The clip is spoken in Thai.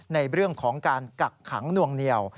ในเรื่องของการกักขังนวงเหนียว